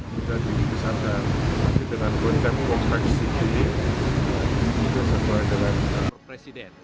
mungkin bisa dilebar bisa dibesarkan dengan konteks kompleks ini